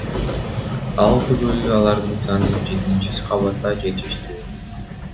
Ал түгүл алардын саны жетинчи кабатта да жетиштүү.